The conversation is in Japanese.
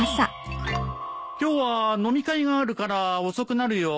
今日は飲み会があるから遅くなるよ。